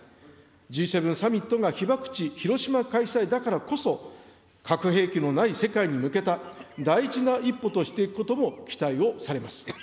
Ｇ７サミットが被爆地、広島開催だからこそ、核兵器のない世界に向けた大事な一歩としていくことも期待をされます。